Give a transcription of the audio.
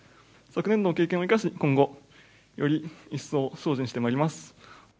昨年度の経験を生かし、今後、より一層精進してまいります。